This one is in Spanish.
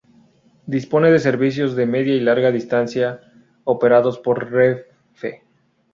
Dispone de servicios de Media y Larga Distancia operados por Renfe.